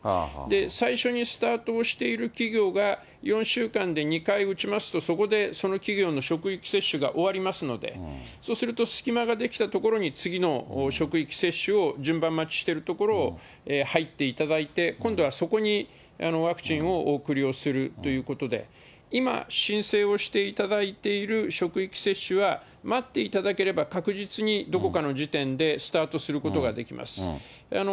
最初にスタートをしている企業が、４週間で２回打ちますと、そこで、その企業の職域接種が終わりますので、そうすると、隙間ができたところに次の職域接種を順番待ちしているところを入っていただいて、今度はそこにワクチンをお送りをするということで、今、申請をしていただいている職域接種は、待っていただければ、確実にどこかの時点でスタートすることができます。